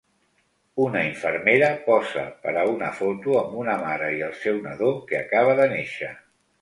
Una infermera posa per a una foto amb una mare i el seu nadó, que acaba de néixer.